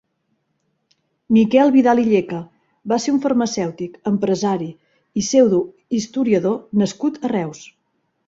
Miquel Vidal i Llecha va ser un farmacèutic, empresari i pseudohistoriador nascut a Reus.